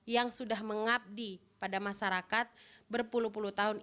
yang sudah mengabdi pada masyarakat berpuluh puluh tahun